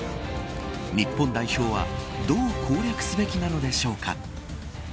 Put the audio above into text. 日本代表は、どう攻略すべきなのでしょうか。